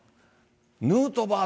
ヌートバー